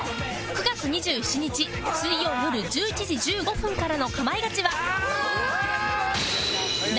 ９月２７日水曜よる１１時１５分からの『かまいガチ』は